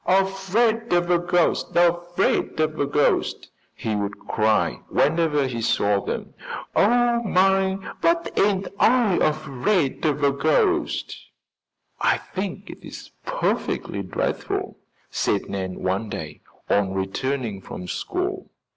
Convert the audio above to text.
"Afraid of a ghost! Afraid of a ghost!" he would cry, whenever he saw them. "Oh, my, but ain't I afraid of a ghost!" "I think it is perfectly dreadful," said Nan one day, on returning from school.